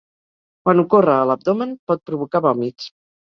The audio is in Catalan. Quan ocorre a l'abdomen, pot provocar vòmits.